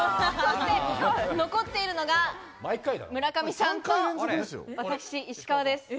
残っているのが、村上さんと、私、石川です。